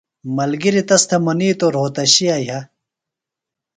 ملگِریۡ تس تھے منِیتوۡ روھوتشیہ یھہ۔